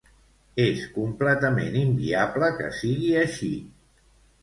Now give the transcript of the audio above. És completament inviable que sigui així.